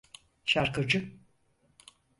Şarkıcı.